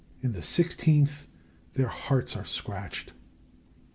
In the sixteenth, their hearts are scratched.